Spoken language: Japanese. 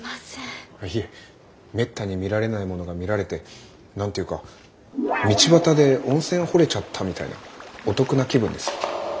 いえめったに見られないものが見られて何ていうか道端で温泉掘れちゃったみたいなお得な気分ですよ。